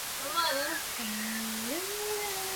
Wanyama wote walio na damu moto wakiwemo kondoo mbuzi punda